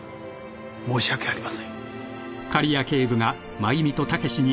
申し訳ありません。